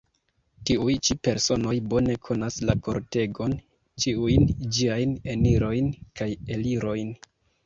Tiuj ĉi personoj bone konas la kortegon, ĉiujn ĝiajn enirojn kaj elirojn.